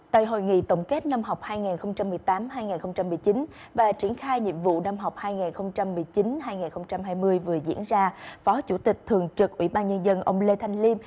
tại hội nghị tổng kết năm học hai nghìn một mươi tám hai nghìn một mươi chín và triển khai nhiệm vụ năm học hai nghìn một mươi chín hai nghìn hai mươi vừa diễn ra phó chủ tịch thường trực ủy ban nhân dân ông lê thanh liêm